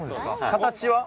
形は？